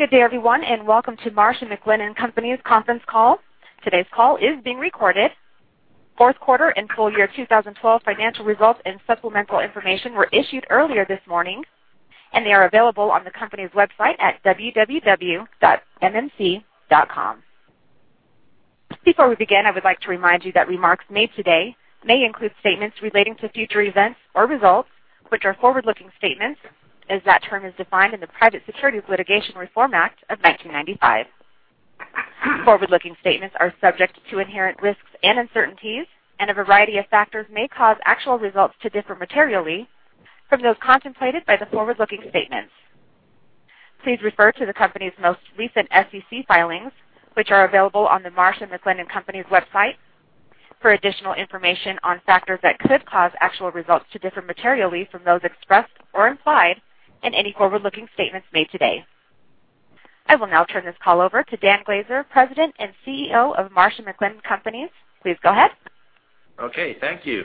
Good day everyone, and welcome to Marsh & McLennan Companies conference call. Today's call is being recorded. Fourth quarter and full year 2012 financial results and supplemental information were issued earlier this morning, and they are available on the company's website at www.mmc.com. Before we begin, I would like to remind you that remarks made today may include statements relating to future events or results, which are forward-looking statements, as that term is defined in the Private Securities Litigation Reform Act of 1995. Forward-looking statements are subject to inherent risks and uncertainties, and a variety of factors may cause actual results to differ materially from those contemplated by the forward-looking statements. Please refer to the company's most recent SEC filings, which are available on the Marsh & McLennan Companies website for additional information on factors that could cause actual results to differ materially from those expressed or implied in any forward-looking statements made today. I will now turn this call over to Daniel Glaser, President and CEO of Marsh & McLennan Companies. Please go ahead. Okay, thank you.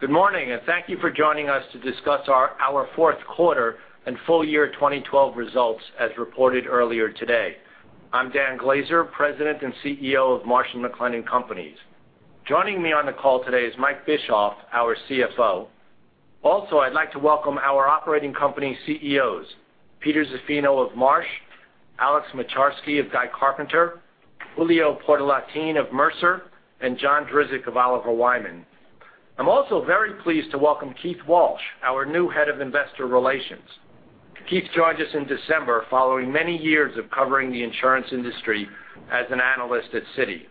Good morning, and thank you for joining us to discuss our fourth quarter and full year 2012 results, as reported earlier today. I'm Dan Glaser, President and CEO of Marsh & McLennan Companies. Joining me on the call today is Mike Bischoff, our CFO. Also, I'd like to welcome our operating company CEOs, Peter Zaffino of Marsh, Alex Moczarski of Guy Carpenter, Julio Portalatin of Mercer, and John Drzik of Oliver Wyman. I'm also very pleased to welcome Keith Walsh, our new Head of Investor Relations. Keith joined us in December following many years of covering the insurance industry as an analyst at Citi.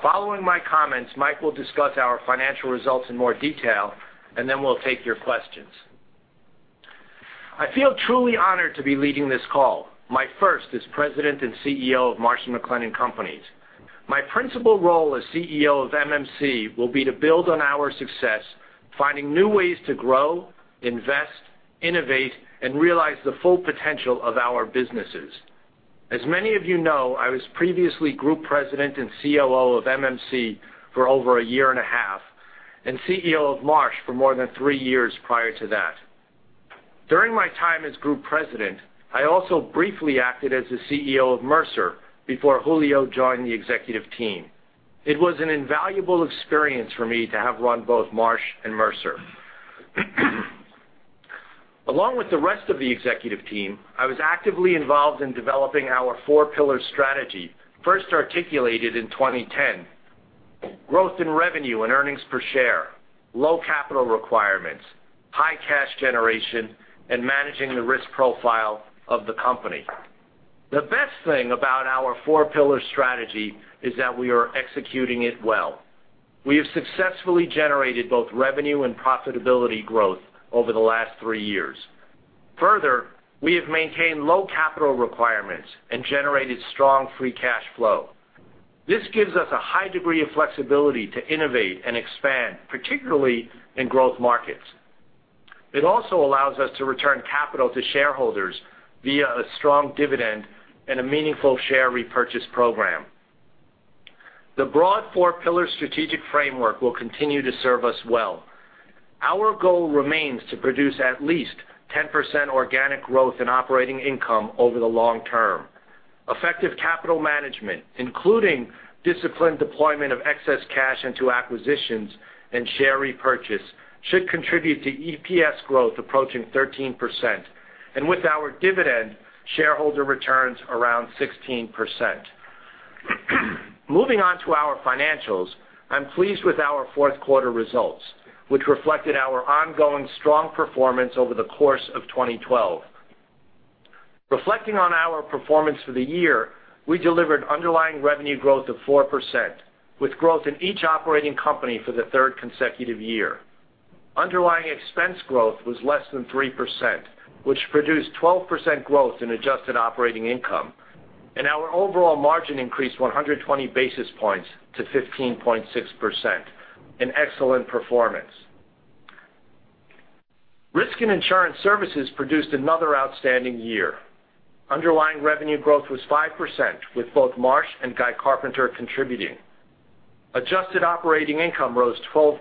Following my comments, Mike will discuss our financial results in more detail, and then we'll take your questions. I feel truly honored to be leading this call, my first as President and CEO of Marsh & McLennan Companies. My principal role as CEO of MMC will be to build on our success, finding new ways to grow, invest, innovate, and realize the full potential of our businesses. As many of you know, I was previously Group President and COO of MMC for over a year and a half, and CEO of Marsh for more than three years prior to that. During my time as Group President, I also briefly acted as the CEO of Mercer before Julio joined the executive team. It was an invaluable experience for me to have run both Marsh and Mercer. Along with the rest of the executive team, I was actively involved in developing our four pillar strategy, first articulated in 2010. Growth in revenue and earnings per share, low capital requirements, high cash generation, and managing the risk profile of the company. The best thing about our four pillar strategy is that we are executing it well. We have successfully generated both revenue and profitability growth over the last three years. Further, we have maintained low capital requirements and generated strong free cash flow. This gives us a high degree of flexibility to innovate and expand, particularly in growth markets. It also allows us to return capital to shareholders via a strong dividend and a meaningful share repurchase program. The broad four pillar strategic framework will continue to serve us well. Our goal remains to produce at least 10% organic growth in operating income over the long term. Effective capital management, including disciplined deployment of excess cash into acquisitions and share repurchase, should contribute to EPS growth approaching 13%, and with our dividend, shareholder returns around 16%. Moving on to our financials, I'm pleased with our fourth quarter results, which reflected our ongoing strong performance over the course of 2012. Reflecting on our performance for the year, we delivered underlying revenue growth of 4%, with growth in each operating company for the third consecutive year. Underlying expense growth was less than 3%, which produced 12% growth in adjusted operating income, and our overall margin increased 120 basis points to 15.6%, an excellent performance. Risk and Insurance Services produced another outstanding year. Underlying revenue growth was 5%, with both Marsh and Guy Carpenter contributing. Adjusted operating income rose 12%,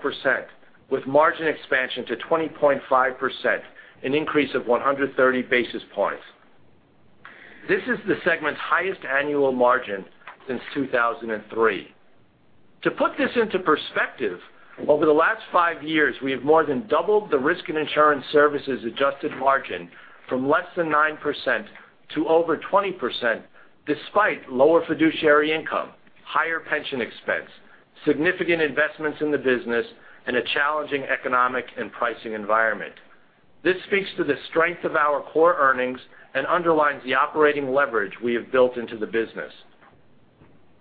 with margin expansion to 20.5%, an increase of 130 basis points. This is the segment's highest annual margin since 2003. To put this into perspective, over the last five years, we have more than doubled the Risk and Insurance Services adjusted margin from less than 9% to over 20%, despite lower fiduciary income, higher pension expense, significant investments in the business, and a challenging economic and pricing environment. This speaks to the strength of our core earnings and underlines the operating leverage we have built into the business.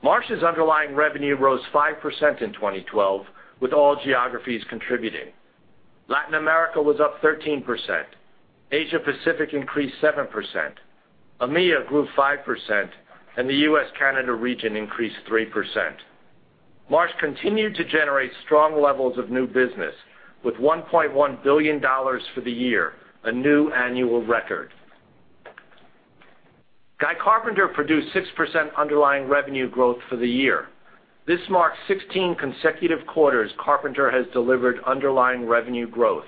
Marsh's underlying revenue rose 5% in 2012, with all geographies contributing. Latin America was up 13%. Asia Pacific increased 7%. EMEA grew 5%, and the U.S./Canada region increased 3%. Marsh continued to generate strong levels of new business with $1.1 billion for the year, a new annual record. Guy Carpenter produced 6% underlying revenue growth for the year. This marks 16 consecutive quarters Carpenter has delivered underlying revenue growth.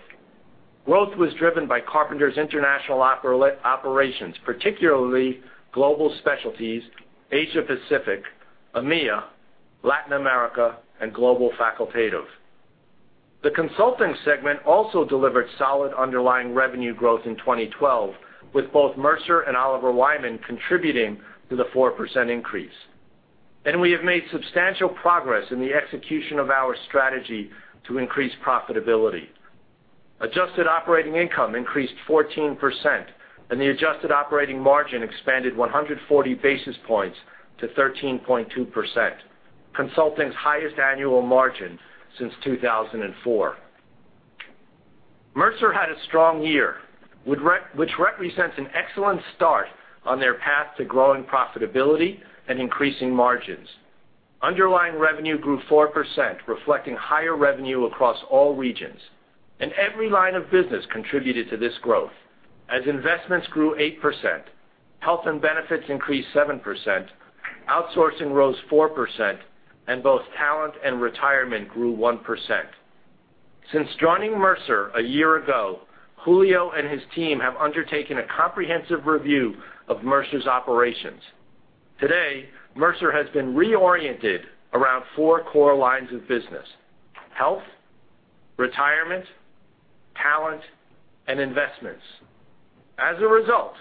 Growth was driven by Carpenter's international operations, particularly Global Specialties, Asia Pacific, EMEA, Latin America, and Global Facultative. The consulting segment also delivered solid underlying revenue growth in 2012, with both Mercer and Oliver Wyman contributing to the 4% increase. We have made substantial progress in the execution of our strategy to increase profitability. Adjusted operating income increased 14%, and the adjusted operating margin expanded 140 basis points to 13.2%, consulting's highest annual margin since 2004. Mercer had a strong year, which represents an excellent start on their path to growing profitability and increasing margins. Underlying revenue grew 4%, reflecting higher revenue across all regions. Every line of business contributed to this growth as investments grew 8%, health and benefits increased 7%, outsourcing rose 4%, and both talent and retirement grew 1%. Since joining Mercer a year ago, Julio and his team have undertaken a comprehensive review of Mercer's operations. Today, Mercer has been reoriented around four core lines of business: health, retirement, talent, and investments. As a result,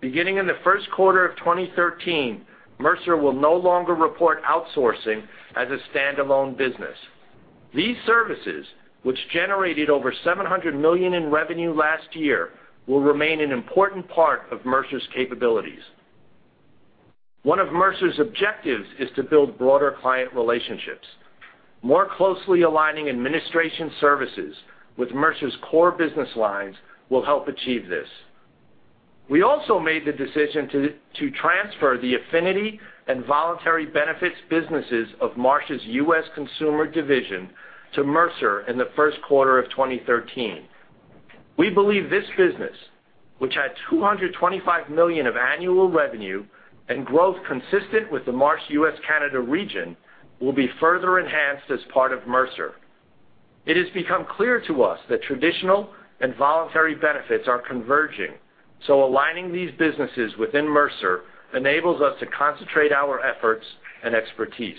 beginning in the first quarter of 2013, Mercer will no longer report outsourcing as a standalone business. These services, which generated over $700 million in revenue last year, will remain an important part of Mercer's capabilities. One of Mercer's objectives is to build broader client relationships. More closely aligning administration services with Mercer's core business lines will help achieve this. We also made the decision to transfer the affinity and voluntary benefits businesses of Marsh's U.S. Consumer division to Mercer in the first quarter of 2013. We believe this business, which had $225 million of annual revenue and growth consistent with the Marsh U.S. Canada region, will be further enhanced as part of Mercer. It has become clear to us that traditional and voluntary benefits are converging, so aligning these businesses within Mercer enables us to concentrate our efforts and expertise.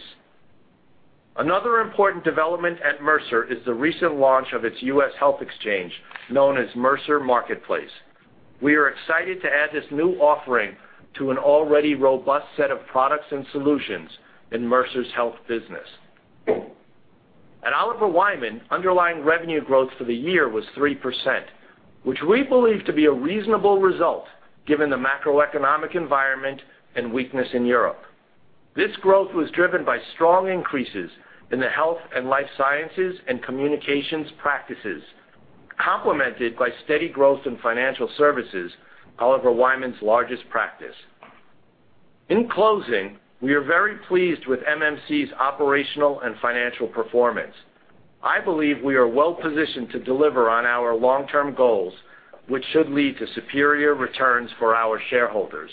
Another important development at Mercer is the recent launch of its U.S. Health Exchange, known as Mercer Marketplace. We are excited to add this new offering to an already robust set of products and solutions in Mercer's health business. At Oliver Wyman, underlying revenue growth for the year was 3%, which we believe to be a reasonable result given the macroeconomic environment and weakness in Europe. This growth was driven by strong increases in the health and life sciences and communications practices, complemented by steady growth in financial services, Oliver Wyman's largest practice. In closing, we are very pleased with MMC's operational and financial performance. I believe we are well-positioned to deliver on our long-term goals, which should lead to superior returns for our shareholders.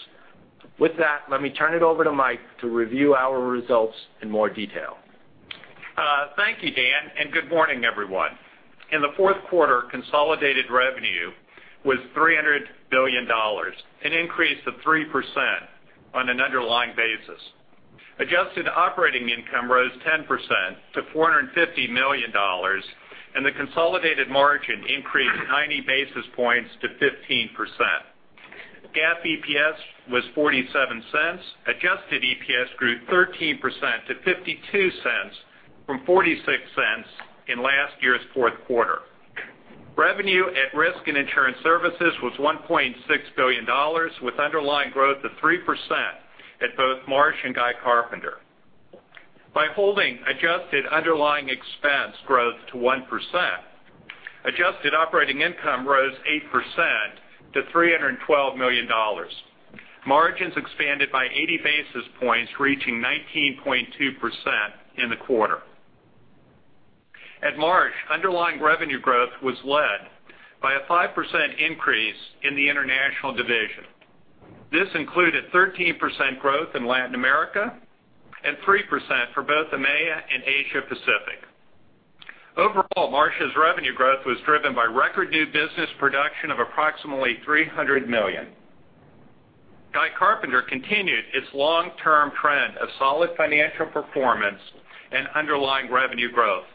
With that, let me turn it over to Mike to review our results in more detail. Thank you, Dan, and good morning, everyone. In the fourth quarter, consolidated revenue was $3 billion, an increase of 3% on an underlying basis. Adjusted operating income rose 10% to $450 million, and the consolidated margin increased 90 basis points to 15%. GAAP EPS was $0.47. Adjusted EPS grew 13% to $0.52 from $0.46 in last year's fourth quarter. Revenue at risk in insurance services was $1.6 billion, with underlying growth of 3% at both Marsh and Guy Carpenter. By holding adjusted underlying expense growth to 1%, adjusted operating income rose 8% to $312 million. Margins expanded by 80 basis points, reaching 19.2% in the quarter. At Marsh, underlying revenue growth was led by a 5% increase in the international division. This included 13% growth in Latin America and 3% for both EMEA and Asia Pacific. Overall, Marsh's revenue growth was driven by record new business production of approximately $300 million. Guy Carpenter continued its long-term trend of solid financial performance and underlying revenue growth.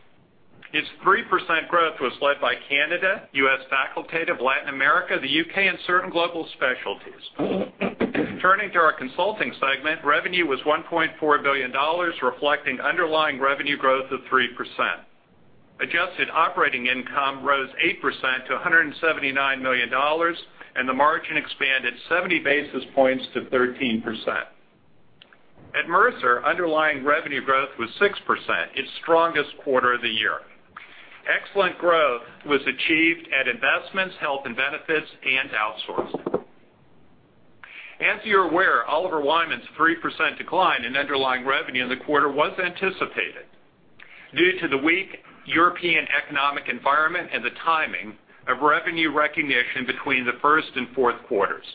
Its 3% growth was led by Canada, U.S. Facultative, Latin America, the U.K., and certain Global Specialties. Turning to our consulting segment, revenue was $1.4 billion, reflecting underlying revenue growth of 3%. Adjusted operating income rose 8% to $179 million, and the margin expanded 70 basis points to 13%. At Mercer, underlying revenue growth was 6%, its strongest quarter of the year. Excellent growth was achieved at investments, health and benefits, and outsourcing. As you're aware, Oliver Wyman's 3% decline in underlying revenue in the quarter was anticipated due to the weak European economic environment and the timing of revenue recognition between the first and fourth quarters.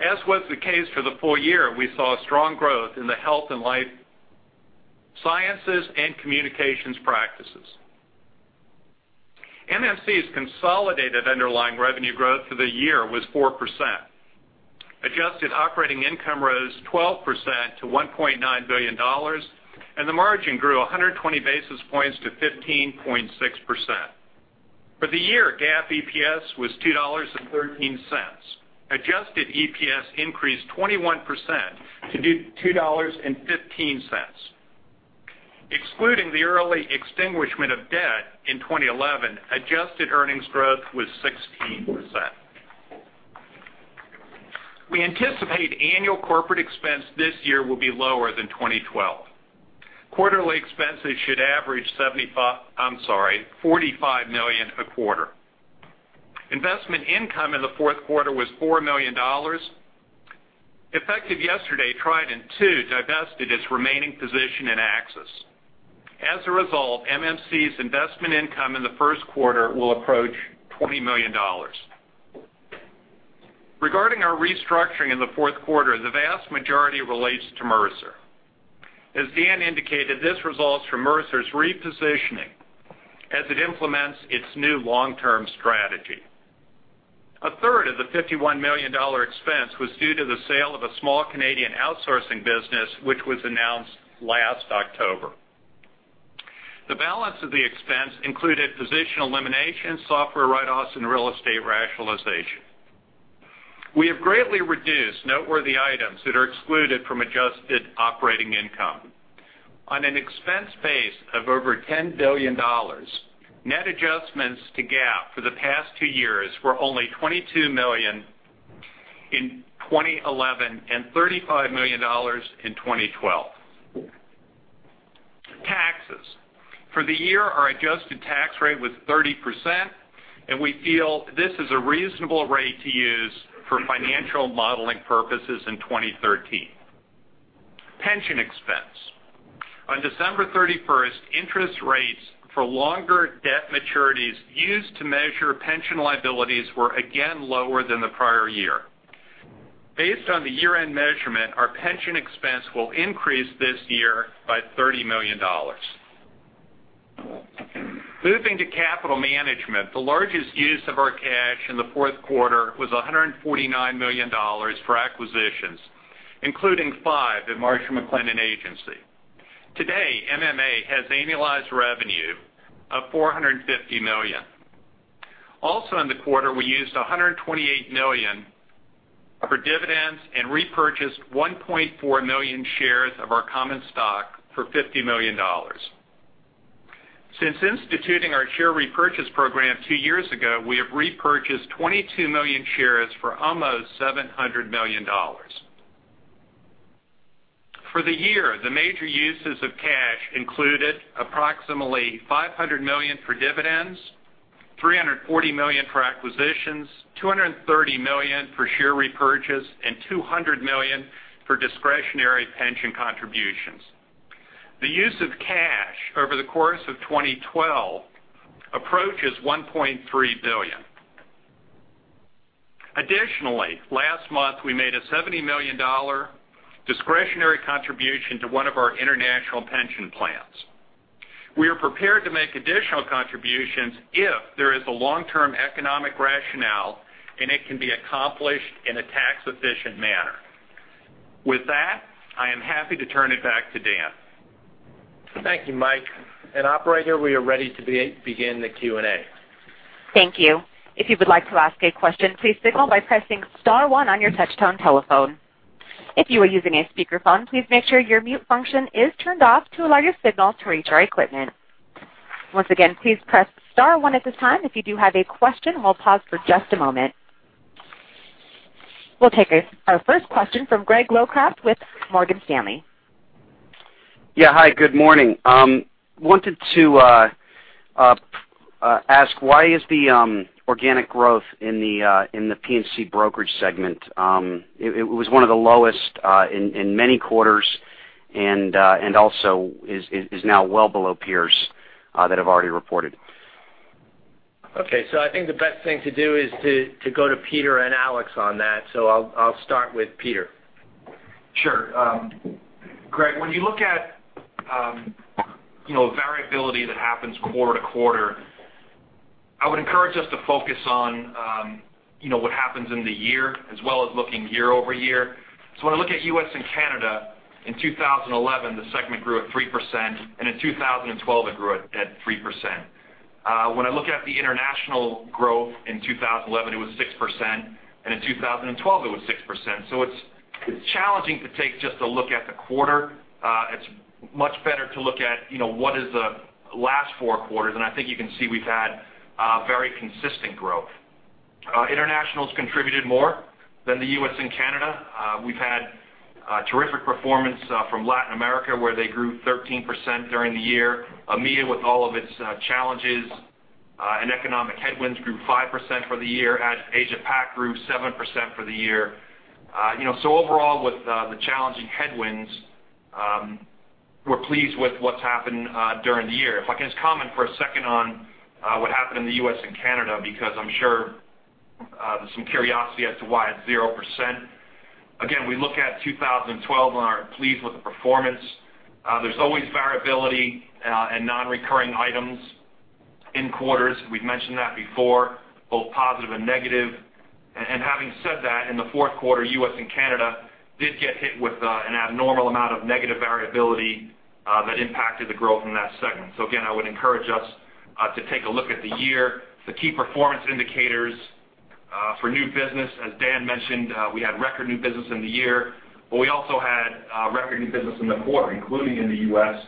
As was the case for the full year, we saw strong growth in the health and life sciences and communications practices. MMC's consolidated underlying revenue growth for the year was 4%. Adjusted operating income rose 12% to $1.9 billion, and the margin grew 120 basis points to 15.6%. For the year, GAAP EPS was $2.13. Adjusted EPS increased 21% to $2.15. Excluding the early extinguishment of debt in 2011, adjusted earnings growth was 16%. We anticipate annual corporate expense this year will be lower than 2012. Quarterly expenses should average $45 million a quarter. Investment income in the fourth quarter was $4 million. Effective yesterday, Trident II divested its remaining position in AXIS. As a result, MMC's investment income in the first quarter will approach $20 million. Regarding our restructuring in the fourth quarter, the vast majority relates to Mercer. As Dan indicated, this results from Mercer's repositioning as it implements its new long-term strategy. A third of the $51 million expense was due to the sale of a small Canadian outsourcing business, which was announced last October. The balance of the expense included position elimination, software write-offs, and real estate rationalization. We have greatly reduced noteworthy items that are excluded from adjusted operating income. On an expense base of over $10 billion, net adjustments to GAAP for the past two years were only $22 million in 2011 and $35 million in 2012. Taxes. For the year, our adjusted tax rate was 30%, and we feel this is a reasonable rate to use for financial modeling purposes in 2013. Pension expense. On December 31st, interest rates for longer debt maturities used to measure pension liabilities were again lower than the prior year. Based on the year-end measurement, our pension expense will increase this year by $30 million. Moving to capital management, the largest use of our cash in the fourth quarter was $149 million for acquisitions, including Five at Marsh & McLennan Agency. Today, MMA has annualized revenue of $450 million. Also in the quarter, we used $128 million for dividends and repurchased 1.4 million shares of our common stock for $50 million. Since instituting our share repurchase program two years ago, we have repurchased 22 million shares for almost $700 million. For the year, the major uses of cash included approximately $500 million for dividends, $340 million for acquisitions, $230 million for share repurchase, and $200 million for discretionary pension contributions. The use of cash over the course of 2012 approaches $1.3 billion. Additionally, last month, we made a $70 million discretionary contribution to one of our international pension plans. We are prepared to make additional contributions if there is a long-term economic rationale, and it can be accomplished in a tax-efficient manner. With that, I am happy to turn it back to Dan. Thank you, Mike. Operator, we are ready to begin the Q&A. Thank you. If you would like to ask a question, please signal by pressing *1 on your touch-tone telephone. If you are using a speakerphone, please make sure your mute function is turned off to allow your signal to reach our equipment. Once again, please press *1 at this time if you do have a question. We'll pause for just a moment. We'll take our first question from Greg Locraft with Morgan Stanley. Yeah. Hi, good morning. Wanted to ask, why is the organic growth in the P&C brokerage segment, it was one of the lowest in many quarters and also is now well below peers that have already reported. Okay. I think the best thing to do is to go to Peter and Alex on that. I'll start with Peter. Sure. Greg, when you look at variability that happens quarter-to-quarter, I would encourage us to focus on what happens in the year as well as looking year-over-year. When I look at U.S. and Canada, in 2011, the segment grew at 3%, and in 2012 it grew at 3%. When I look at the international growth in 2011, it was 6%, and in 2012 it was 6%. It's challenging to take just a look at the quarter. It's much better to look at what is the last four quarters, and I think you can see we've had very consistent growth. International's contributed more than the U.S. and Canada. We've had terrific performance from Latin America, where they grew 13% during the year. EMEA, with all of its challenges and economic headwinds, grew 5% for the year. Asia Pac grew 7% for the year. Overall, with the challenging headwinds We're pleased with what's happened during the year. If I can just comment for a second on what happened in the U.S. and Canada, because I'm sure there's some curiosity as to why it's 0%. Again, we look at 2012 and are pleased with the performance. There's always variability and non-recurring items in quarters. We've mentioned that before, both positive and negative. Having said that, in the fourth quarter, U.S. and Canada did get hit with an abnormal amount of negative variability that impacted the growth in that segment. Again, I would encourage us to take a look at the year. The key performance indicators for new business, as Dan mentioned, we had record new business in the year. We also had record new business in the quarter, including in the U.S.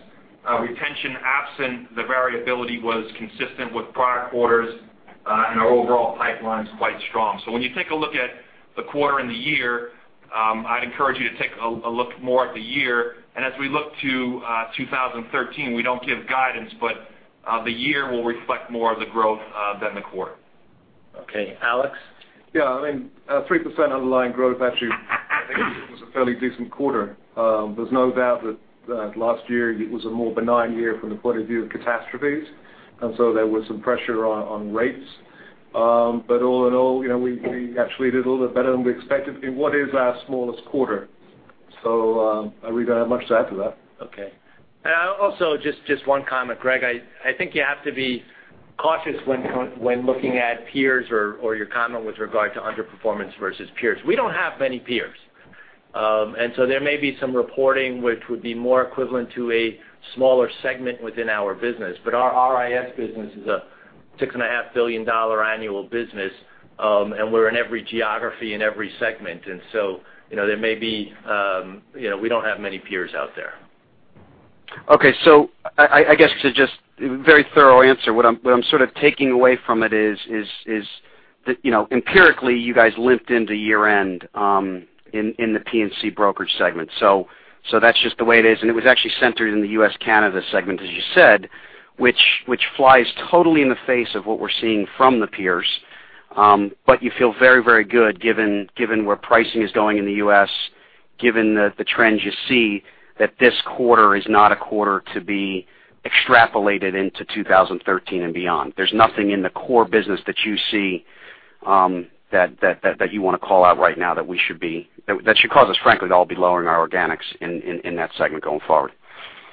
Retention absent the variability was consistent with prior quarters, and our overall pipeline's quite strong. When you take a look at the quarter and the year, I'd encourage you to take a look more at the year. As we look to 2013, we don't give guidance, but the year will reflect more of the growth than the quarter. Okay, Alex? Yeah, I mean, 3% underlying growth, actually, I think it was a fairly decent quarter. There's no doubt that last year was a more benign year from the point of view of catastrophes. There was some pressure on rates. All in all, we actually did a little bit better than we expected in what is our smallest quarter. I really don't have much to add to that. Okay. Also, just one comment, Greg. I think you have to be cautious when looking at peers or your comment with regard to underperformance versus peers. We don't have many peers. There may be some reporting which would be more equivalent to a smaller segment within our business. Our RIS business is a $6.5 billion annual business, and we're in every geography and every segment. We don't have many peers out there. Okay. I guess to just very thorough answer, what I'm sort of taking away from it is that empirically, you guys limped into year-end in the P&C brokerage segment. That's just the way it is. It was actually centered in the U.S., Canada segment, as you said, which flies totally in the face of what we're seeing from the peers. You feel very, very good given where pricing is going in the U.S., given the trends you see, that this quarter is not a quarter to be extrapolated into 2013 and beyond. There's nothing in the core business that you see that you want to call out right now that should cause us, frankly, to all be lowering our organics in that segment going forward.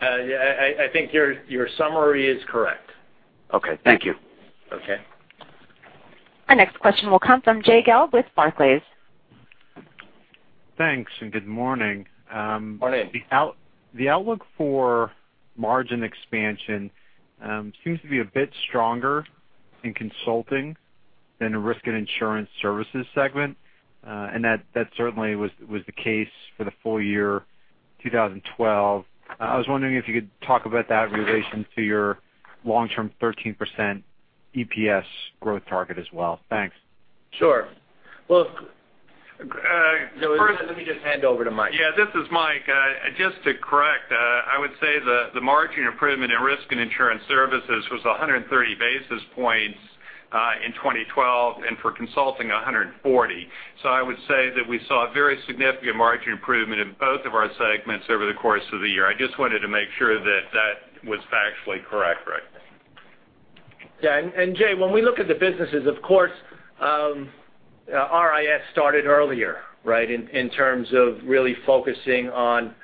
I think your summary is correct. Okay. Thank you. Okay. Our next question will come from Jay Gelb with Barclays. Thanks, and good morning. Morning. The outlook for margin expansion seems to be a bit stronger in consulting than the risk and insurance services segment. That certainly was the case for the full year 2012. I was wondering if you could talk about that in relation to your long-term 13% EPS growth target as well. Thanks. Sure. Well, first let me just hand over to Mike. Yeah, this is Mike. Just to correct, I would say the margin improvement in Risk and Insurance Services was 130 basis points in 2012, and for consulting, 140. I would say that we saw a very significant margin improvement in both of our segments over the course of the year. I just wanted to make sure that that was factually correct, Greg. Yeah. Jay, when we look at the businesses, of course, RIS started earlier, right, in terms of really focusing on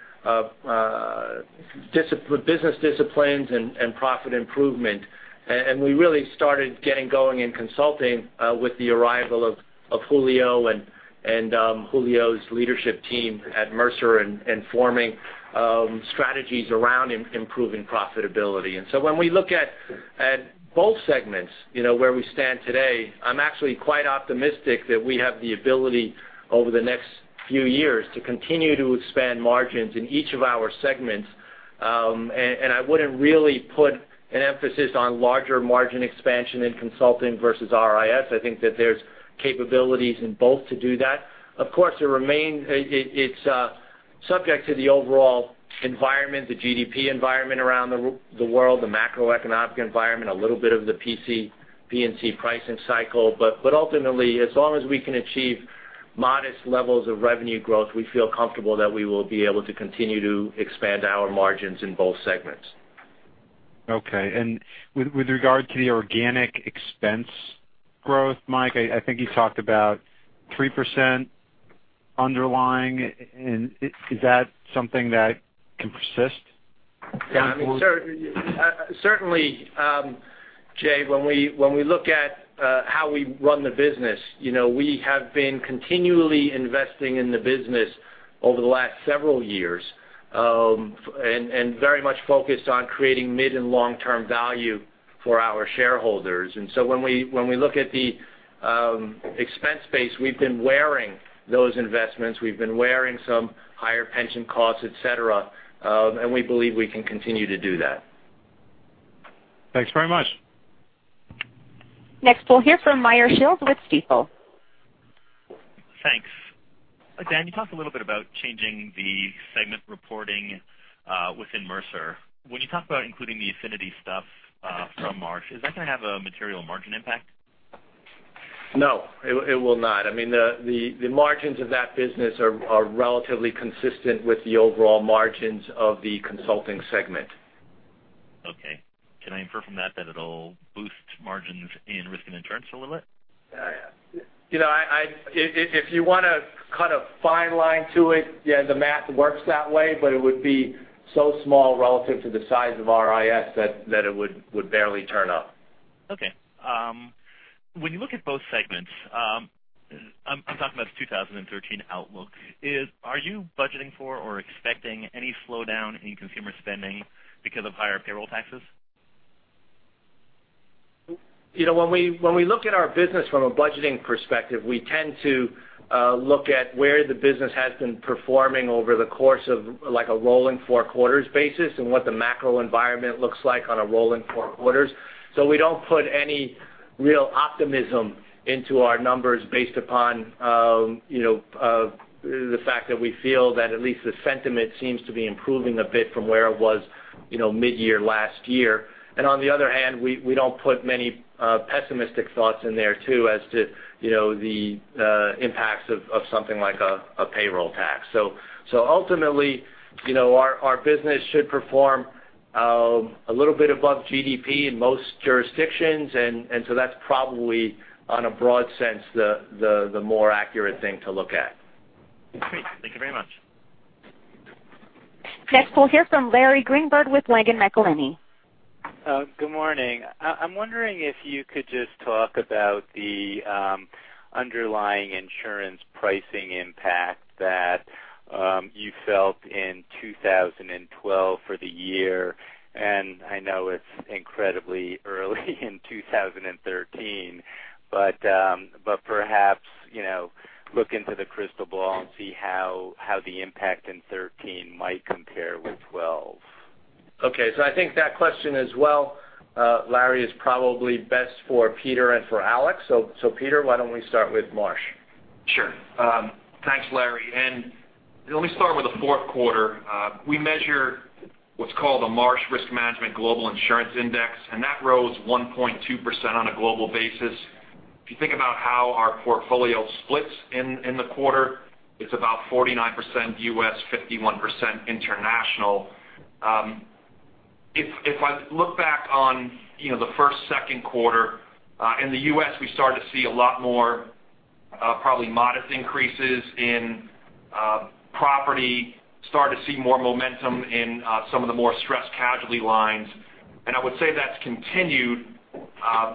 business disciplines and profit improvement. We really started getting going in consulting with the arrival of Julio and Julio's leadership team at Mercer and forming strategies around improving profitability. When we look at both segments, where we stand today, I'm actually quite optimistic that we have the ability over the next few years to continue to expand margins in each of our segments. I wouldn't really put an emphasis on larger margin expansion in consulting versus RIS. I think that there's capabilities in both to do that. Of course, it's subject to the overall environment, the GDP environment around the world, the macroeconomic environment, a little bit of the P&C pricing cycle. Ultimately, as long as we can achieve modest levels of revenue growth, we feel comfortable that we will be able to continue to expand our margins in both segments. Okay. With regard to the organic expense growth, Mike, I think you talked about 3% underlying, and is that something that can persist going forward? Certainly, Jay, when we look at how we run the business, we have been continually investing in the business over the last several years, and very much focused on creating mid and long-term value for our shareholders. When we look at the expense base, we've been wearing those investments, we've been wearing some higher pension costs, et cetera, and we believe we can continue to do that. Thanks very much. Next, we'll hear from Meyer Shields with Stifel. Thanks. Dan, you talked a little bit about changing the segment reporting within Mercer. When you talk about including the affinity stuff from Marsh, is that going to have a material margin impact? No, it will not. The margins of that business are relatively consistent with the overall margins of the consulting segment. Okay. Can I infer from that it'll boost margins in risk and insurance a little bit? If you want to cut a fine line to it, yeah, the math works that way, but it would be so small relative to the size of our RIS that it would barely turn up. Okay. When you look at both segments, I'm talking about the 2013 outlook, are you budgeting for or expecting any slowdown in consumer spending because of higher payroll taxes? When we look at our business from a budgeting perspective, we tend to look at where the business has been performing over the course of a rolling four quarters basis and what the macro environment looks like on a rolling four quarters. We don't put any real optimism into our numbers based upon the fact that we feel that at least the sentiment seems to be improving a bit from where it was mid-year last year. On the other hand, we don't put many pessimistic thoughts in there too as to the impacts of something like a payroll tax. Ultimately, our business should perform a little bit above GDP in most jurisdictions, that's probably, on a broad sense, the more accurate thing to look at. Great. Thank you very much. Next we'll hear from Larry Greenberg with Langen McAlenney. Good morning. I'm wondering if you could just talk about the underlying insurance pricing impact that you felt in 2012 for the year. I know it's incredibly early in 2013, but perhaps look into the crystal ball and see how the impact in 2013 might compare with 2012. Okay. I think that question as well, Larry, is probably best for Peter and for Alex. Peter, why don't we start with Marsh? Sure. Thanks, Larry. Let me start with the fourth quarter. We measure what's called the Marsh Global Insurance Market Index, That rose 1.2% on a global basis. If you think about how our portfolio splits in the quarter, it's about 49% U.S., 51% international. If I look back on the first, second quarter, in the U.S., we started to see a lot more probably modest increases in property, started to see more momentum in some of the more stressed casualty lines. I would say that's continued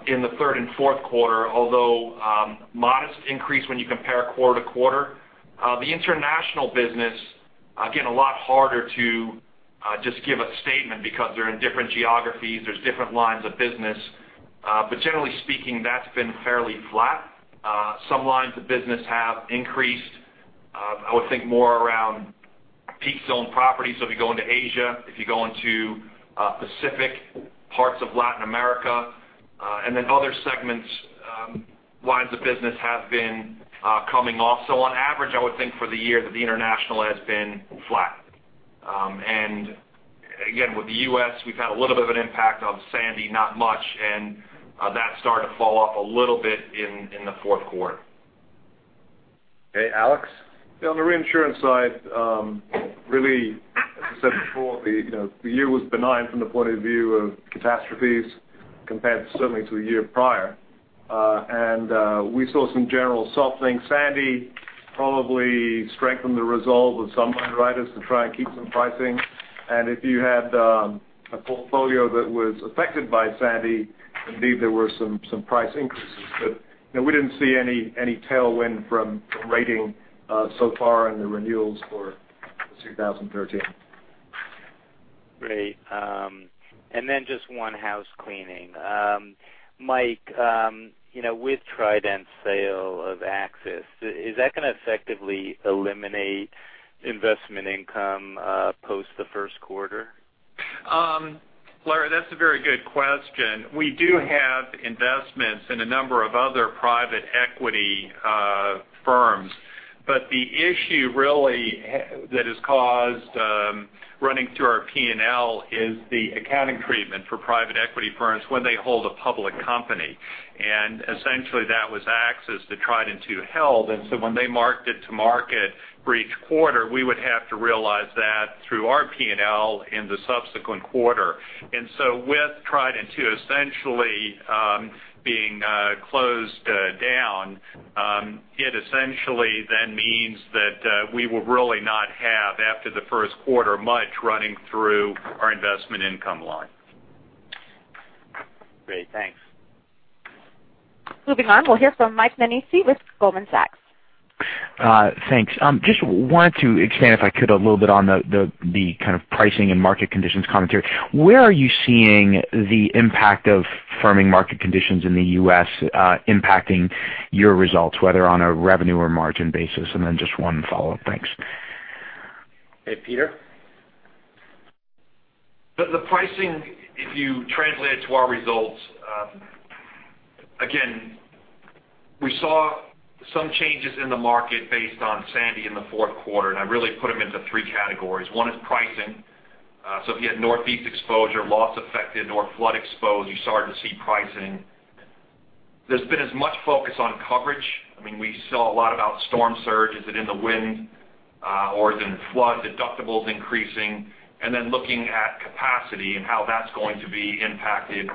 in the third and fourth quarter, although modest increase when you compare quarter to quarter. The international business, again, a lot harder to just give a statement because they're in different geographies, there's different lines of business. Generally speaking, that's been fairly flat. Some lines of business have increased, I would think more around peak zone properties. If you go into Asia, if you go into Pacific, parts of Latin America. Other segments, lines of business have been coming off. On average, I would think for the year that the international has been flat. Again, with the U.S., we've had a little bit of an impact on Sandy, not much, and that started to fall off a little bit in the fourth quarter. Okay, Alex? On the reinsurance side, really, as I said before, the year was benign from the point of view of catastrophes compared certainly to the year prior. We saw some general softening. Sandy probably strengthened the resolve of some underwriters to try and keep some pricing. If you had a portfolio that was affected by Sandy, indeed there were some price increases. We didn't see any tailwind from rating so far in the renewals for 2013. Great. Just one housecleaning. Mike, with Trident's sale of AXIS, is that going to effectively eliminate investment income post the first quarter? Larry, that's a very good question. We do have investments in a number of other private equity firms, but the issue really that has caused running through our P&L is the accounting treatment for private equity firms when they hold a public company. Essentially that was AXIS that Trident II held. So when they marked it to market for each quarter, we would have to realize that through our P&L in the subsequent quarter. So with Trident II essentially being closed down, it essentially then means that we will really not have, after the first quarter, much running through our investment income line. Great. Thanks. Moving on, we'll hear from Michael Nannizzi with Goldman Sachs. Thanks. Just wanted to expand, if I could, a little bit on the kind of pricing and market conditions commentary. Where are you seeing the impact of firming market conditions in the U.S. impacting your results, whether on a revenue or margin basis? Then just one follow-up. Thanks. Hey, Peter? The pricing, if you translate it to our results, again, we saw some changes in the market based on Sandy in the fourth quarter. I really put them into three categories. One is pricing. If you had Northeast exposure, loss affected, or flood exposed, you started to see pricing. There's been as much focus on coverage. We saw a lot about storm surge. Is it in the wind? Is it in flood? Deductibles increasing. Looking at capacity and how that's going to be impacted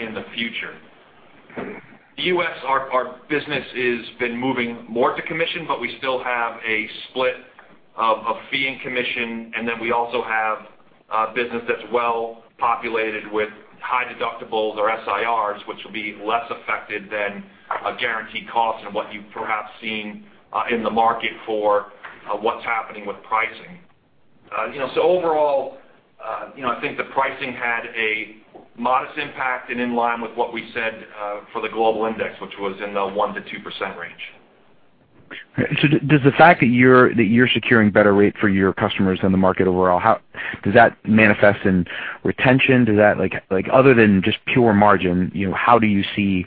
in the future. The U.S., our business has been moving more to commission, but we still have a split of fee and commission, and then we also have business that's well-populated with high deductibles or SIRs, which will be less affected than a guaranteed cost and what you've perhaps seen in the market for what's happening with pricing. Overall, I think the pricing had a modest impact and in line with what we said for the global index, which was in the 1%-2% range. Does the fact that you're securing better rate for your customers than the market overall, does that manifest in retention? Other than just pure margin, how do you see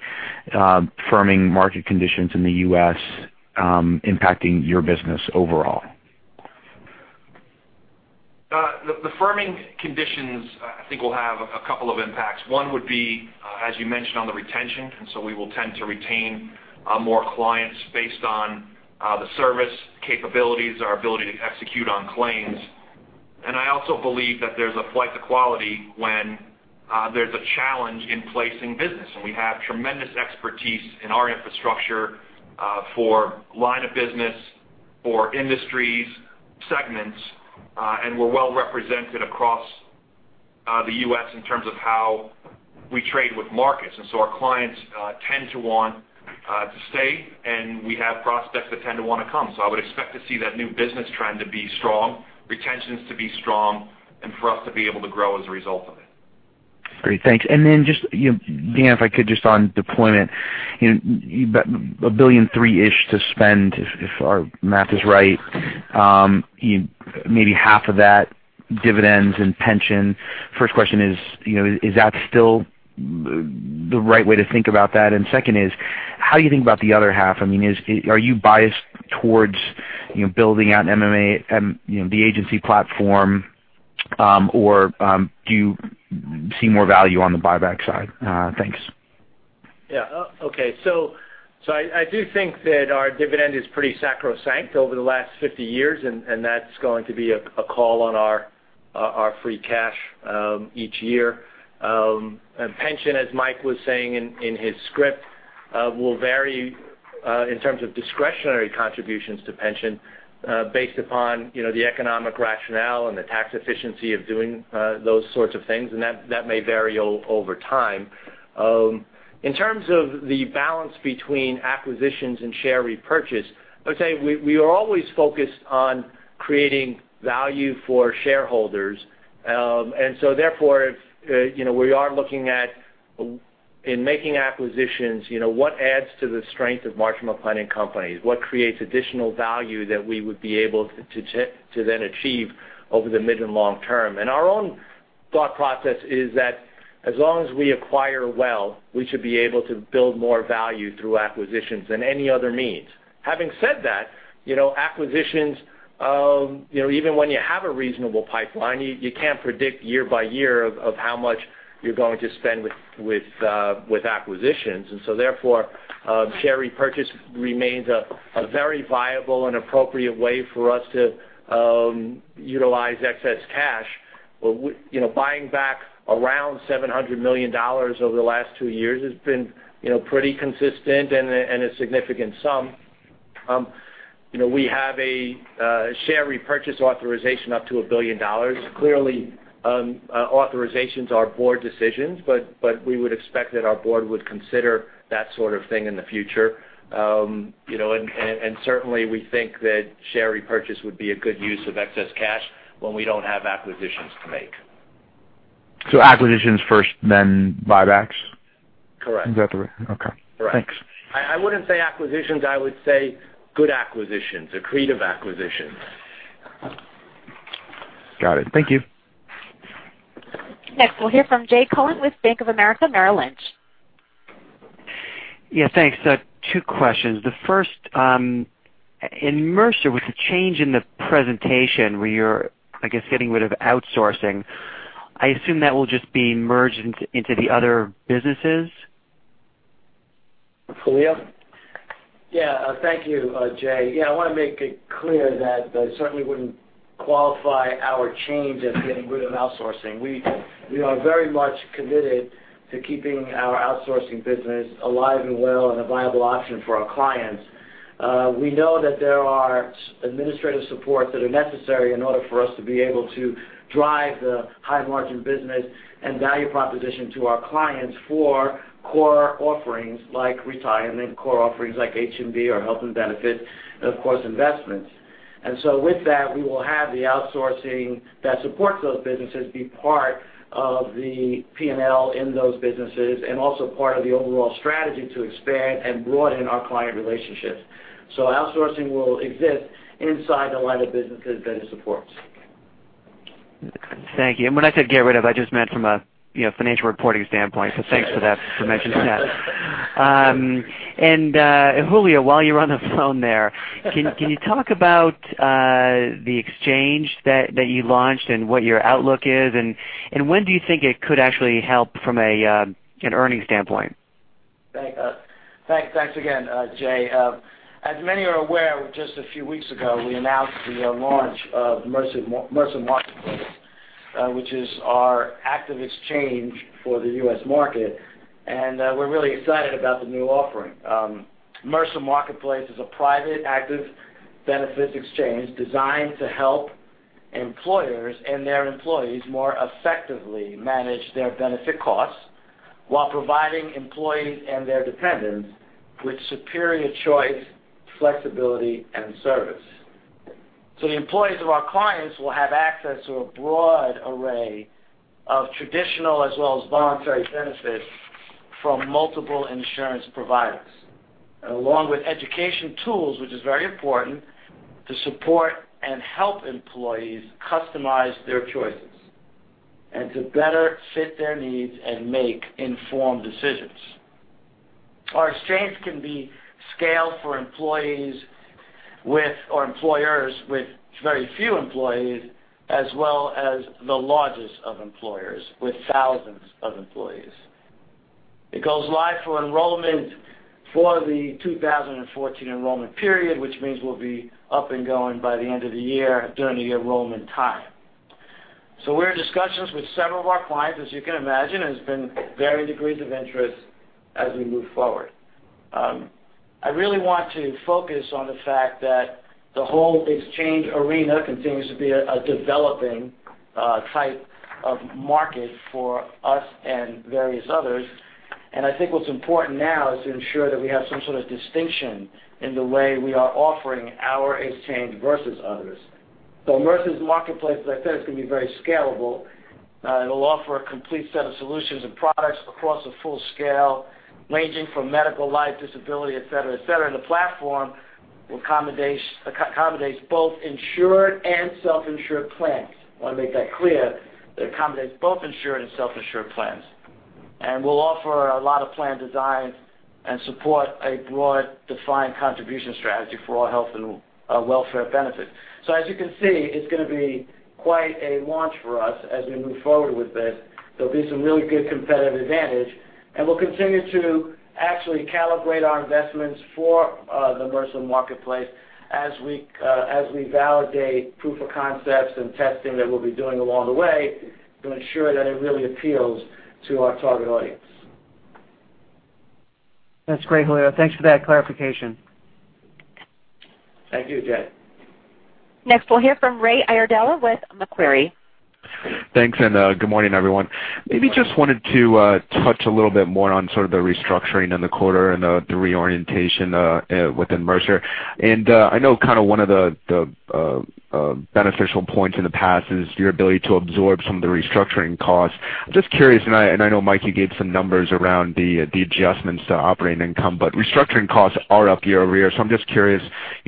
firming market conditions in the U.S. impacting your business overall? The firming conditions, I think will have a couple of impacts. One would be, as you mentioned, on the retention, we will tend to retain more clients based on the service capabilities, our ability to execute on claims. I also believe that there's a flight to quality when there's a challenge in placing business, and we have tremendous expertise in our infrastructure for line of business, for industries, segments, and we're well-represented across the U.S. in terms of how we trade with markets. Our clients tend to want to stay, and we have prospects that tend to want to come. I would expect to see that new business trend to be strong, retentions to be strong, and for us to be able to grow as a result of it. Great. Thanks. Just, Dan, if I could just on deployment. You've got a $1 billion three-ish to spend, if our math is right. Maybe half of that, dividends and pension. First question is that still the right way to think about that? Second is, how are you thinking about the other half? Are you biased towards building out the agency platform? Or do you see more value on the buyback side? Thanks. Yeah. Okay. I do think that our dividend is pretty sacrosanct over the last 50 years, and that's going to be a call on our free cash each year. Pension, as Mike was saying in his script, will vary in terms of discretionary contributions to pension, based upon the economic rationale and the tax efficiency of doing those sorts of things, and that may vary over time. In terms of the balance between acquisitions and share repurchase, I'd say we are always focused on creating value for shareholders. Therefore, we are looking at in making acquisitions, what adds to the strength of Marsh & McLennan Companies? What creates additional value that we would be able to then achieve over the mid and long term? Our own thought process is that as long as we acquire well, we should be able to build more value through acquisitions than any other means. Having said that, acquisitions, even when you have a reasonable pipeline, you can't predict year by year of how much you're going to spend with acquisitions. Therefore, share repurchase remains a very viable and appropriate way for us to utilize excess cash. Buying back around $700 million over the last two years has been pretty consistent and a significant sum. We have a share repurchase authorization up to $1 billion. Clearly, authorizations are board decisions, but we would expect that our board would consider that sort of thing in the future. Certainly, we think that share repurchase would be a good use of excess cash when we don't have acquisitions to make. Acquisitions first, then buybacks? Correct. Is that okay. Correct. Thanks. I wouldn't say acquisitions, I would say good acquisitions, accretive acquisitions. Got it. Thank you. Next, we'll hear from Jay Cohen with Bank of America Merrill Lynch. Yeah, thanks. Two questions. The first, in Mercer, with the change in the presentation where you're, I guess, getting rid of outsourcing, I assume that will just be merged into the other businesses? For Julio? Yeah. Thank you, Jay. I want to make it clear that I certainly wouldn't qualify our change as getting rid of outsourcing. We are very much committed to keeping our outsourcing business alive and well and a viable option for our clients. We know that there are administrative support that are necessary in order for us to be able to drive the high margin business and value proposition to our clients for core offerings like retirement, core offerings like H&B or health and benefit, and of course, investments. With that, we will have the outsourcing that supports those businesses be part of the P&L in those businesses, and also part of the overall strategy to expand and broaden our client relationships. Outsourcing will exist inside the line of businesses that it supports. Thank you. When I said get rid of, I just meant from a financial reporting standpoint, thanks for mentioning that. Julio, while you're on the phone there, can you talk about the exchange that you launched and what your outlook is? When do you think it could actually help from an earning standpoint? Thanks again, Jay. As many are aware, just a few weeks ago, we announced the launch of Mercer Marketplace, which is our active exchange for the U.S. market, and we're really excited about the new offering. Mercer Marketplace is a private active benefits exchange designed to help employers and their employees more effectively manage their benefit costs while providing employees and their dependents with superior choice, flexibility, and service. The employees of our clients will have access to a broad array of traditional as well as voluntary benefits from multiple insurance providers, along with education tools, which is very important to support and help employees customize their choices and to better fit their needs and make informed decisions. Our exchange can be scaled for employers with very few employees, as well as the largest of employers with thousands of employees. It goes live for enrollment for the 2014 enrollment period, which means we'll be up and going by the end of the year during the enrollment time. We're in discussions with several of our clients. As you can imagine, there has been varying degrees of interest as we move forward. I really want to focus on the fact that the whole exchange arena continues to be a developing type of market for us and various others. I think what's important now is to ensure that we have some sort of distinction in the way we are offering our exchange versus others. Mercer's Marketplace, as I said, is going to be very scalable. It'll offer a complete set of solutions and products across a full scale, ranging from medical, life, disability, et cetera. The platform accommodates both insured and self-insured plans. I want to make that clear, that it accommodates both insured and self-insured plans. We'll offer a lot of plan designs and support a broad defined contribution strategy for all health and welfare benefits. As you can see, it's going to be quite a launch for us as we move forward with this. There'll be some really good competitive advantage, and we'll continue to actually calibrate our investments for the Mercer Marketplace as we validate proof of concepts and testing that we'll be doing along the way to ensure that it really appeals to our target audience. That's great, Julio. Thanks for that clarification. Thank you, Jay. Next, we'll hear from Raymond Iardella with Macquarie. Thanks, and good morning, everyone. Maybe just wanted to touch a little bit more on sort of the restructuring in the quarter and the reorientation within Mercer. I know one of the beneficial points in the past is your ability to absorb some of the restructuring costs. Just curious, and I know, Mike, you gave some numbers around the adjustments to operating income, but restructuring costs are up year-over-year. I'm just curious,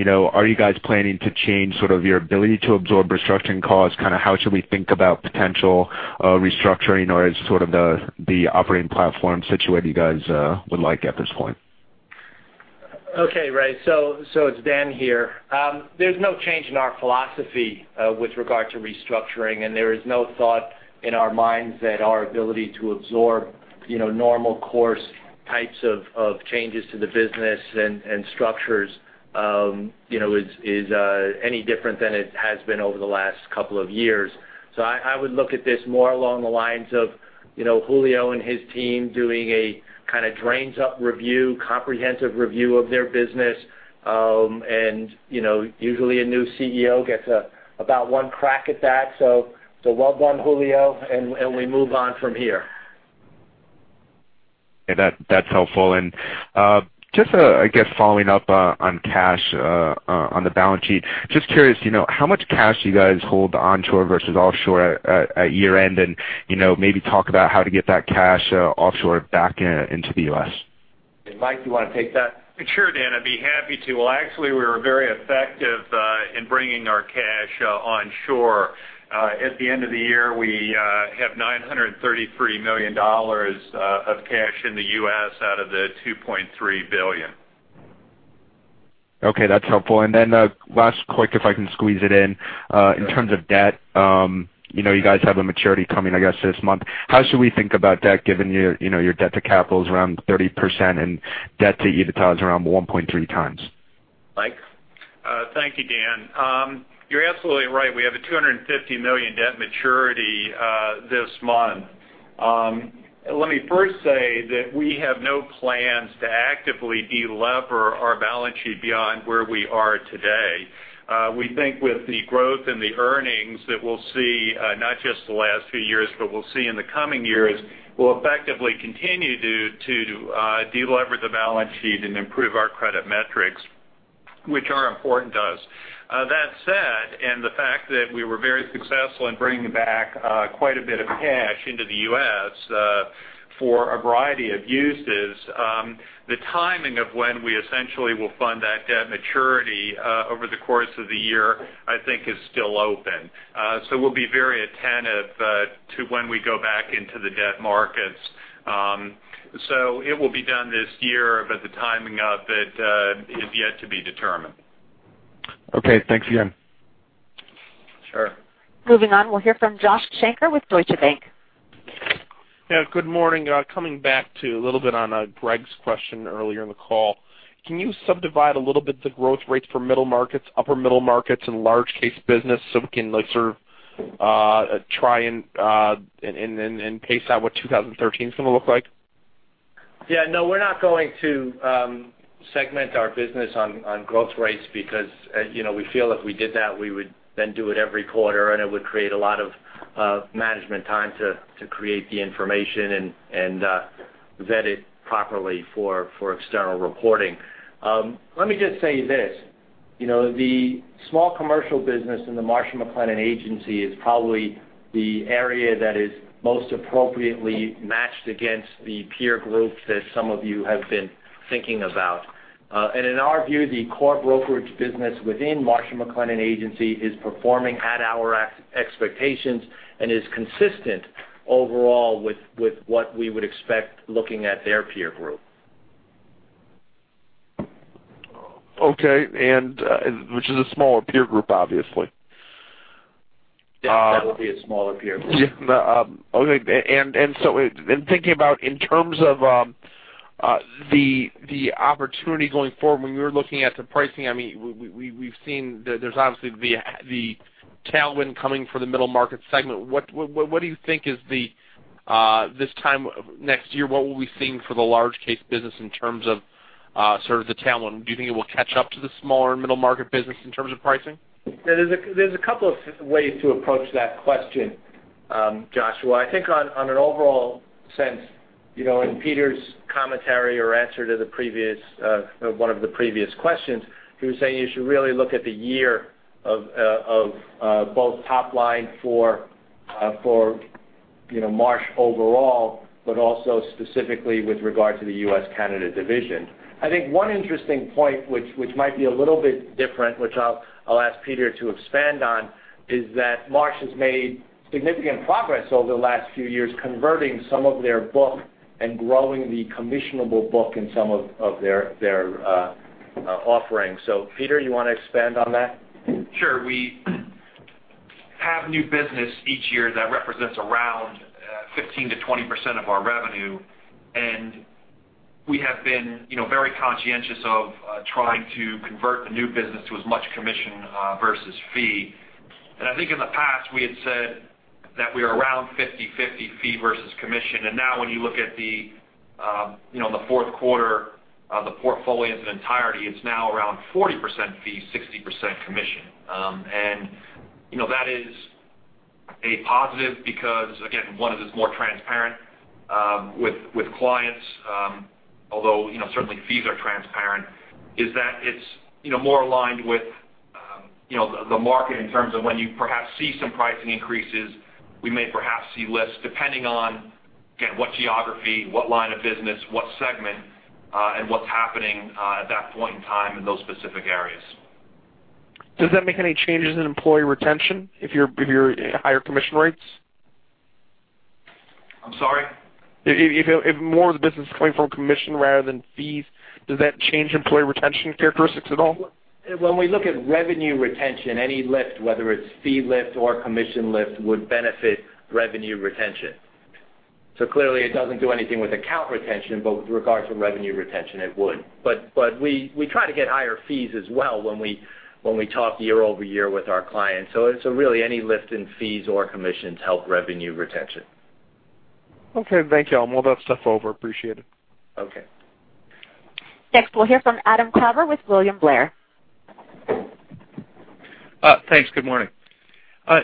are you guys planning to change sort of your ability to absorb restructuring costs? How should we think about potential restructuring? Or is the operating platform situated you guys would like at this point? Okay, Ray. It's Dan here. There's no change in our philosophy with regard to restructuring, and there is no thought in our minds that our ability to absorb normal course types of changes to the business and structures is any different than it has been over the last couple of years. I would look at this more along the lines of Julio and his team doing a kind of drains up review, comprehensive review of their business. Usually, a new CEO gets about one crack at that. Well done, Julio, and we move on from here. That's helpful. Just, I guess following up on cash on the balance sheet. Just curious, how much cash do you guys hold onshore versus offshore at year-end? Maybe talk about how to get that cash offshore back into the U.S. Mike, you want to take that? Sure, Dan. I'd be happy to. Actually, we were very effective in bringing our cash onshore. At the end of the year, we have $933 million of cash in the U.S. out of the $2.3 billion. Okay, that's helpful. Then last quick, if I can squeeze it in. In terms of debt, you guys have a maturity coming, I guess, this month. How should we think about debt given your debt to capital is around 30% and debt to EBITDA is around 1.3 times? Mike? Thank you, Dan. You're absolutely right. We have a $250 million debt maturity this month. Let me first say that we have no plans to actively delever our balance sheet beyond where we are today. We think with the growth and the earnings that we'll see, not just the last few years, but we'll see in the coming years, will effectively continue to delever the balance sheet and improve our credit metrics, which are important to us. That said, and the fact that we were very successful in bringing back quite a bit of cash into the U.S. for a variety of uses, the timing of when we essentially will fund that debt maturity, over the course of the year, I think is still open. We'll be very attentive to when we go back into the debt markets. It will be done this year, but the timing of it is yet to be determined. Okay, thanks again. Sure. Moving on, we'll hear from Joshua Shanker with Deutsche Bank. Yeah, good morning. Coming back to a little bit on Greg's question earlier in the call, can you subdivide a little bit the growth rates for middle markets, upper middle markets, and large case business so we can try and pace out what 2013 is going to look like? Yeah, no, we're not going to segment our business on growth rates because we feel if we did that, we would then do it every quarter, and it would create a lot of management time to create the information and vet it properly for external reporting. Let me just say this. The small commercial business in the Marsh & McLennan Agency is probably the area that is most appropriately matched against the peer group that some of you have been thinking about. In our view, the core brokerage business within Marsh & McLennan Agency is performing at our expectations and is consistent overall with what we would expect looking at their peer group. Okay, which is a smaller peer group, obviously. Yes, that would be a smaller peer group. Yeah. In thinking about in terms of the opportunity going forward, when we were looking at the pricing, we've seen there's obviously the tailwind coming from the middle market segment. What do you think this time next year, what will we be seeing for the large case business in terms of the tailwind? Do you think it will catch up to the smaller middle market business in terms of pricing? There's a couple of ways to approach that question, Joshua. I think on an overall sense, in Peter's commentary or answer to one of the previous questions, he was saying you should really look at the year of both top line for Marsh overall, but also specifically with regard to the U.S. Canada division. I think one interesting point, which might be a little bit different, which I'll ask Peter to expand on, is that Marsh has made significant progress over the last few years converting some of their book and growing the commissionable book in some of their offerings. Peter, you want to expand on that? Sure. We have new business each year that represents around 15%-20% of our revenue, we have been very conscientious of trying to convert the new business to as much commission versus fee. I think in the past, we had said that we are around 50/50 fee versus commission. Now when you look at the fourth quarter, the portfolio as an entirety, it's now around 40% fee, 60% commission. That is a positive because, again, one is more transparent with clients, although certainly fees are transparent, is that it's more aligned with the market in terms of when you perhaps see some pricing increases, we may perhaps see less, depending on, again, what geography, what line of business, what segment, and what's happening at that point in time in those specific areas. Does that make any changes in employee retention if you higher commission rates? I'm sorry? If more of the business is coming from commission rather than fees, does that change employee retention characteristics at all? When we look at revenue retention, any lift, whether it's fee lift or commission lift, would benefit revenue retention. Clearly, it doesn't do anything with account retention, but with regard to revenue retention, it would. We try to get higher fees as well when we talk year-over-year with our clients. Really any lift in fees or commissions help revenue retention. Okay, thank you. I'll move that stuff over. Appreciate it. Okay. Next, we'll hear from Adam Klauber with William Blair. Thanks. Good morning.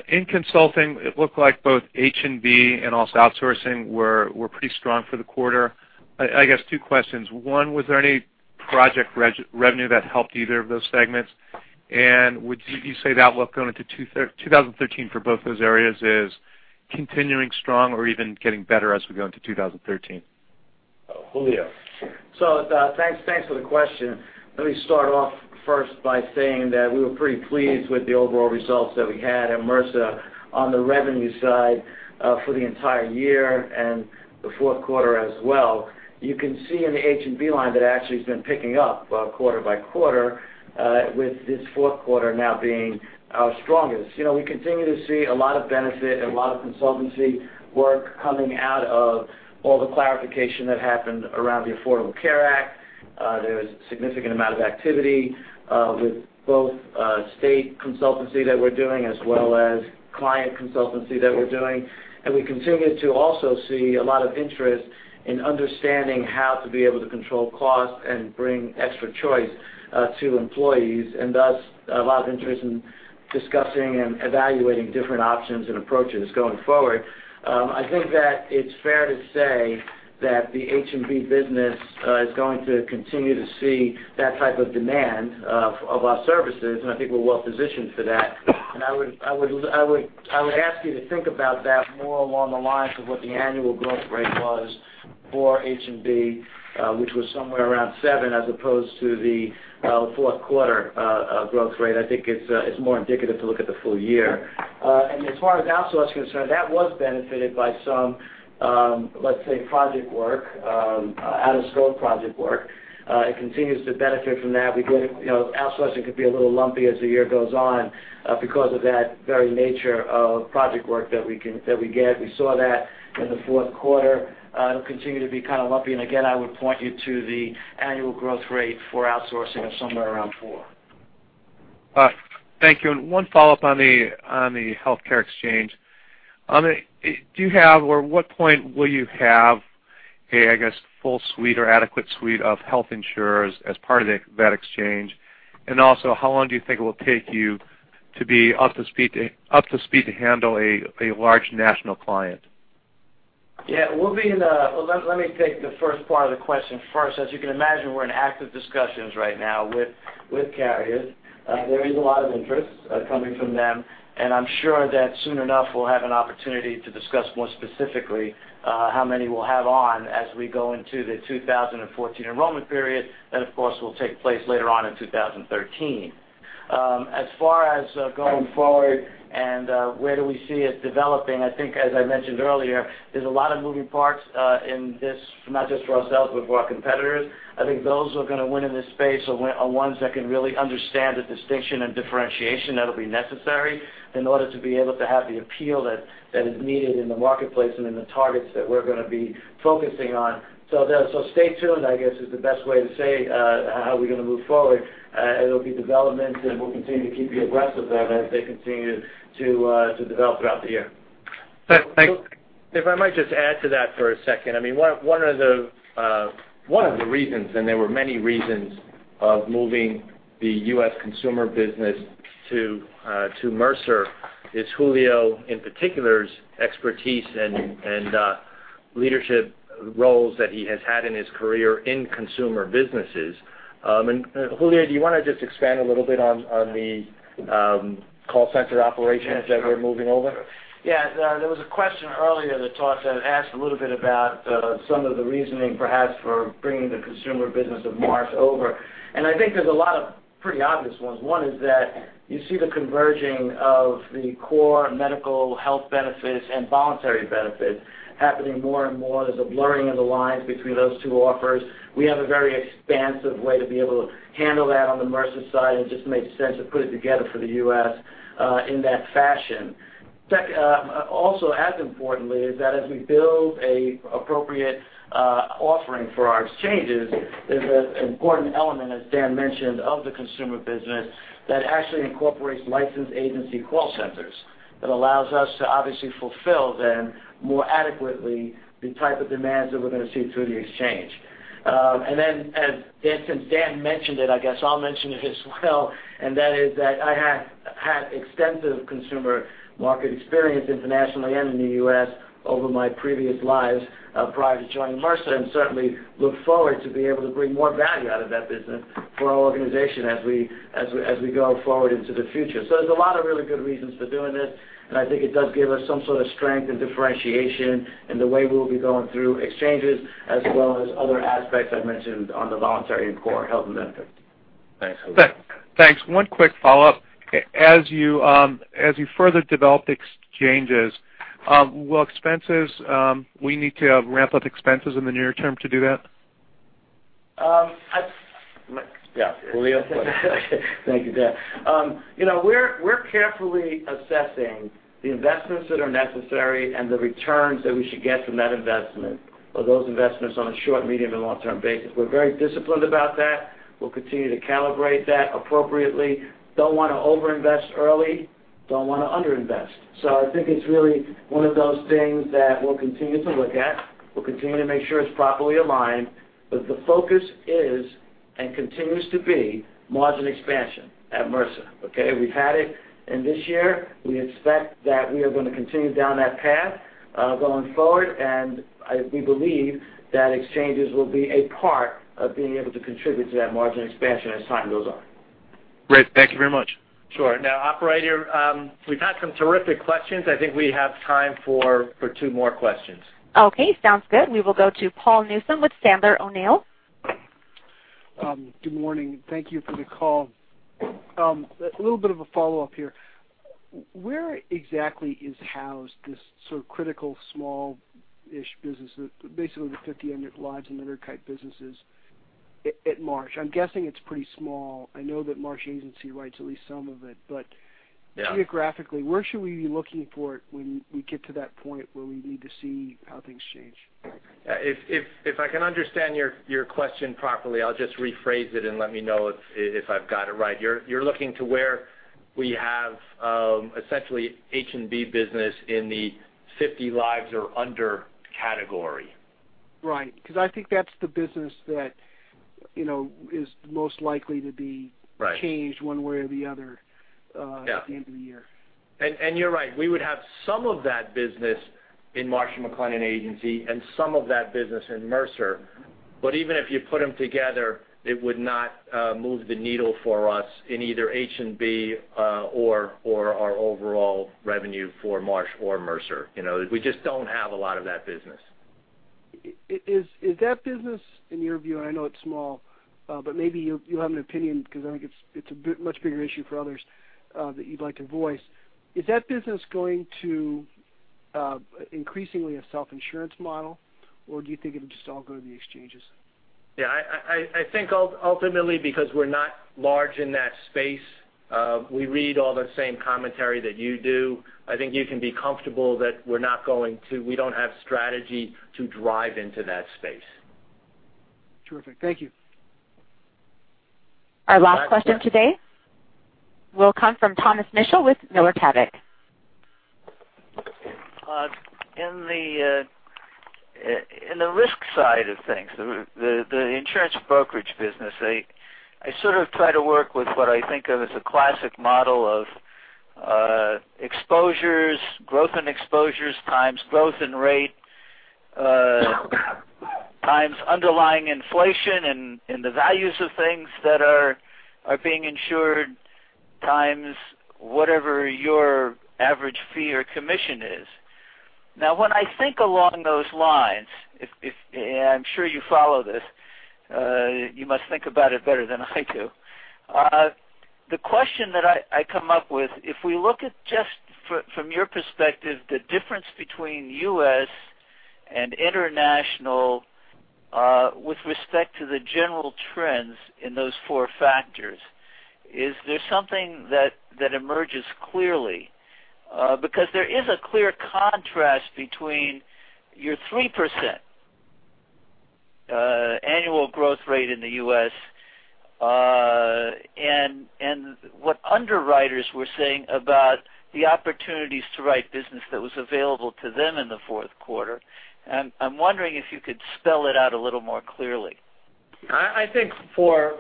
In consulting, it looked like both H&B and also outsourcing were pretty strong for the quarter. I guess two questions. One, was there any project revenue that helped either of those segments? Would you say the outlook going into 2013 for both those areas is continuing strong or even getting better as we go into 2013? Julio. Thanks for the question. Let me start off first by saying that we were pretty pleased with the overall results that we had at Mercer on the revenue side for the entire year and the fourth quarter as well. You can see in the H&B line that actually has been picking up quarter by quarter, with this fourth quarter now being our strongest. We continue to see a lot of benefit, a lot of consultancy work coming out of all the clarification that happened around the Affordable Care Act. There is a significant amount of activity with both state consultancy that we're doing, as well as client consultancy that we're doing. We continue to also see a lot of interest in understanding how to be able to control costs and bring extra choice to employees, and thus a lot of interest in discussing and evaluating different options and approaches going forward. I think that it's fair to say that the H&B business is going to continue to see that type of demand of our services, and I think we're well positioned for that. I would ask you to think about that more along the lines of what the annual growth rate was for H&B, which was somewhere around seven, as opposed to the fourth quarter growth rate. I think it's more indicative to look at the full year. As far as outsource is concerned, that was benefited by some, let's say, project work, out of scope project work. It continues to benefit from that. Outsourcing could be a little lumpy as the year goes on because of that very nature of project work that we get. We saw that in the fourth quarter. It will continue to be kind of lumpy. Again, I would point you to the annual growth rate for outsourcing of somewhere around four. Thank you. One follow-up on the healthcare exchange. Do you have, or at what point will you have, I guess, a full suite or adequate suite of health insurers as part of that exchange? Also, how long do you think it will take you to be up to speed to handle a large national client? Yeah. Let me take the first part of the question first. As you can imagine, we are in active discussions right now with carriers. There is a lot of interest coming from them, and I am sure that soon enough, we will have an opportunity to discuss more specifically how many we will have on as we go into the 2014 enrollment period. That, of course, will take place later on in 2013. As far as going forward and where do we see it developing, I think, as I mentioned earlier, there is a lot of moving parts in this, not just for ourselves, but for our competitors. I think those who are going to win in this space are ones that can really understand the distinction and differentiation that will be necessary in order to be able to have the appeal that is needed in the marketplace and in the targets that we are going to be focusing on. Stay tuned, I guess, is the best way to say how we are going to move forward. It will be development, and we will continue to keep you abreast of them as they continue to develop throughout the year. Thanks. If I might just add to that for a second. One of the reasons, and there were many reasons, of moving the U.S. consumer business to Mercer is Julio, in particular, expertise and leadership roles that he has had in his career in consumer businesses. Julio, do you want to just expand a little bit on the call center operations that we're moving over? Yeah. There was a question earlier that asked a little bit about some of the reasoning, perhaps, for bringing the consumer business of Marsh over, I think there's a lot of pretty obvious ones. One is that you see the converging of the core medical health benefits and voluntary benefits happening more and more. There's a blurring of the lines between those two offers. We have a very expansive way to be able to handle that on the Mercer side. It just made sense to put it together for the U.S., in that fashion. Second, also as importantly, is that as we build an appropriate offering for our exchanges, there's an important element, as Dan mentioned, of the consumer business that actually incorporates licensed agency call centers. That allows us to obviously fulfill, then, more adequately the type of demands that we're going to see through the exchange. Since Dan mentioned it, I guess I'll mention it as well, and that is that I have had extensive consumer market experience internationally and in the U.S. over my previous lives, prior to joining Mercer, certainly look forward to being able to bring more value out of that business for our organization as we go forward into the future. There's a lot of really good reasons for doing this, I think it does give us some sort of strength and differentiation in the way we'll be going through exchanges, as well as other aspects I've mentioned on the voluntary and core health benefit. Thanks, Julio. Thanks. One quick follow-up. As you further develop the exchanges, will we need to ramp up expenses in the near term to do that? Yeah, Julio? Thank you, Dan. We're carefully assessing the investments that are necessary and the returns that we should get from that investment or those investments on a short, medium, and long-term basis. We're very disciplined about that. We'll continue to calibrate that appropriately. Don't want to over-invest early, don't want to under-invest. I think it's really one of those things that we'll continue to look at. We'll continue to make sure it's properly aligned. The focus is, and continues to be, margin expansion at Mercer. Okay? We've had it in this year. We expect that we are going to continue down that path, going forward. We believe that exchanges will be a part of being able to contribute to that margin expansion as time goes on. Great. Thank you very much. Sure. operator, we've had some terrific questions. I think we have time for two more questions. Okay, sounds good. We will go to Paul Newsome with Sandler O'Neill. Good morning. Thank you for the call. A little bit of a follow-up here. Where exactly is housed this critical small-ish business, basically the 50 lives and under type businesses at Marsh? I'm guessing it's pretty small. I know that Marsh Agency writes at least some of it. Yeah. Geographically, where should we be looking for it when we get to that point where we need to see how things change? If I can understand your question properly, I'll just rephrase it and let me know if I've got it right. You're looking to where we have, essentially, H&B business in the 50 lives or under category. Right. I think that's the business that is most likely to be. Right changed one way or the other. Yeah at the end of the year. You're right. We would have some of that business in Marsh & McLennan Agency and some of that business in Mercer. Even if you put them together, it would not move the needle for us in either H&B or our overall revenue for Marsh or Mercer. We just don't have a lot of that business. Is that business, in your view, and I know it's small, but maybe you have an opinion because I think it's a much bigger issue for others that you'd like to voice. Is that business going to increasingly a self-insurance model, or do you think it would just all go to the exchanges? I think ultimately, because we're not large in that space, we read all the same commentary that you do. I think you can be comfortable that we don't have strategy to drive into that space. Terrific. Thank you. Our last question today will come from Thomas Mitchell with Miller Tabak. In the risk side of things, the insurance brokerage business, I sort of try to work with what I think of as a classic model of exposures, growth in exposures times growth in rate times underlying inflation and the values of things that are being insured times whatever your average fee or commission is. When I think along those lines, and I'm sure you follow this, you must think about it better than I do. The question that I come up with, if we look at just from your perspective, the difference between U.S. and international with respect to the general trends in those four factors, is there something that emerges clearly? Because there is a clear contrast between your 3% annual growth rate in the U.S. and what underwriters were saying about the opportunities to write business that was available to them in the fourth quarter. I'm wondering if you could spell it out a little more clearly. I think for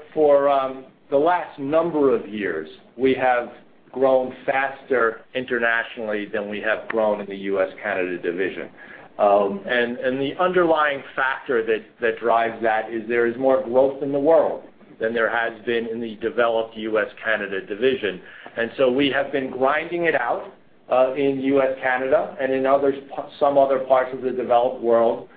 the last number of years, we have grown faster internationally than we have grown in the U.S./Canada division. The underlying factor that drives that is there is more growth in the world than there has been in the developed U.S./Canada division. We have been grinding it out in U.S./Canada and in some other parts of the developed world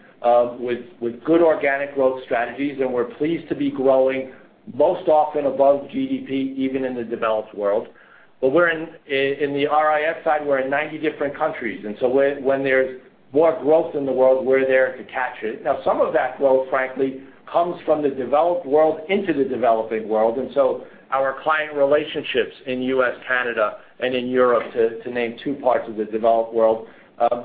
with good organic growth strategies, and we're pleased to be growing most often above GDP, even in the developed world. In the RIS side, we're in 90 different countries. When there's more growth in the world, we're there to capture it. Some of that growth, frankly, comes from the developed world into the developing world. Our client relationships in U.S., Canada, and in Europe, to name two parts of the developed world,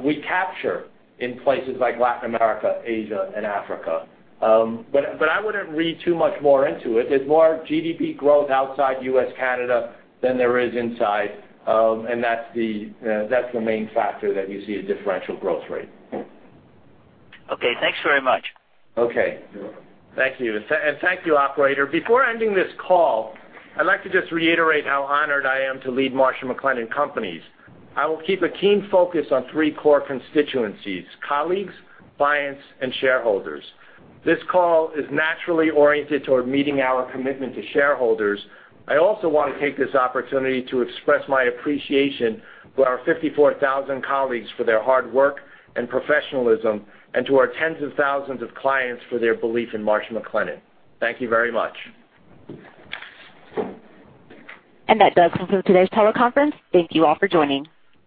we capture in places like Latin America, Asia, and Africa. I wouldn't read too much more into it. There's more GDP growth outside U.S./Canada than there is inside, and that's the main factor that you see a differential growth rate. Okay, thanks very much. Okay. Thank you. Thank you, operator. Before ending this call, I'd like to just reiterate how honored I am to lead Marsh & McLennan Companies. I will keep a keen focus on three core constituencies, colleagues, clients, and shareholders. This call is naturally oriented toward meeting our commitment to shareholders. I also want to take this opportunity to express my appreciation to our 54,000 colleagues for their hard work and professionalism and to our tens of thousands of clients for their belief in Marsh & McLennan. Thank you very much. That does conclude today's teleconference. Thank you all for joining.